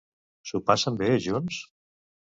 S'ho passen bé, junts?